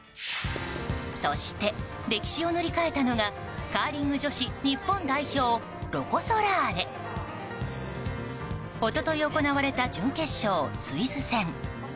そして、歴史を塗り替えたのがカーリング女子日本代表ロコ・ソラーレ。一昨日行われた準決勝スイス戦。